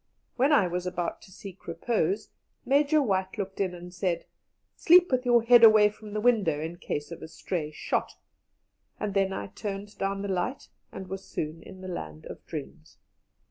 When I was about to seek repose, Major White looked in, and said: "Sleep with your head away from the window, in case of a stray shot"; and then I turned down the light, and was soon in the land of dreams.